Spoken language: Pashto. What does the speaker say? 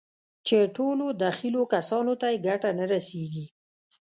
چې ټولو دخيلو کسانو ته يې ګټه نه رسېږي.